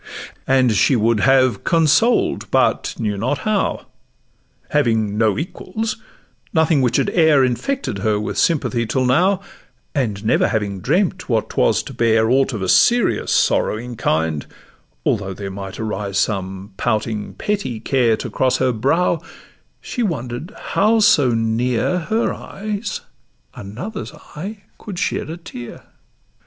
And she would have consoled, but knew not how: Having no equals, nothing which had e'er Infected her with sympathy till now, And never having dreamt what 'twas to bear Aught of a serious, sorrowing kind, although There might arise some pouting petty care To cross her brow, she wonder'd how so near Her eyes another's eye could shed a tear.